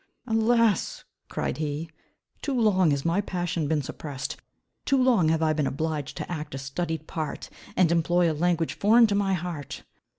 "Alas," cried he, "too long has my passion been suppressed. Too long have I been obliged to act a studied part, and employ a language foreign to my heart."